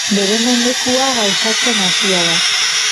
Bere mendekua gauzatzen hasia da.